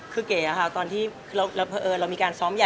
คือเก๋ค่ะตอนที่เรามีการซ้อมใหญ่